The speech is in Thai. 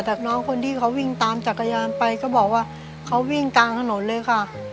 แต่น้องคนที่เขาวิ่งตามจักรยานไปก็บอกว่าเขาวิ่งกลางถนนเลยค่ะ